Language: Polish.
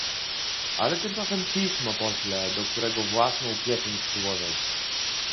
"Ale tymczasem pismo poślę, do którego własną pieczęć przyłożę."